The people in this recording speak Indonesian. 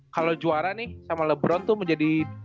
kalau juara nih sama lebron tuh menjadi